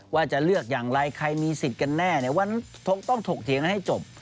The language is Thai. ว่าจะเลือกอย่างไรใครมีสิทธิ์กันแน่วันนั้นต้องถกเถียงกันให้จบ